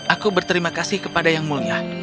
aku berterima kasih kepada yang mulia